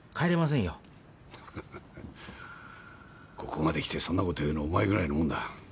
ここまで来てそんな事言うのはお前ぐらいなもんだ。